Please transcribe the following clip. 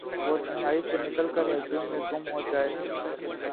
وہ تنہائی سے نکل کرہجوم میں گم ہوجائے